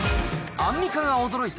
アンミカが驚いた！